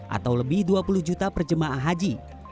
atau lebih rp dua puluh juta perjemaah haji